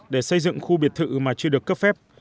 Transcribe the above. để xây dựng khu biệt thự mà chưa được cấp phép